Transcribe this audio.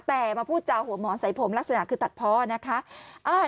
แต่มาพูดจาหัวหมอนใส่ผมลักษณะคือตัดเพาะนะคะ